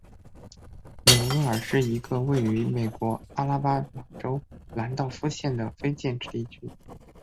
纽厄尔是一个位于美国阿拉巴马州兰道夫县的非建制地区。